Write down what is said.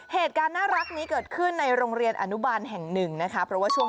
เหตุการณ์น่ารักนี้เกิดขึ้นในโรงเรียนอนุบาลแห่งหนึ่งนะคะ